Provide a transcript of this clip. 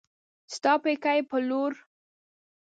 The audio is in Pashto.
ستا پيکی به لور پر لور کړم